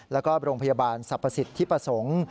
แล้วก็โรงพยาบาลสรรพสิทธิประสงค์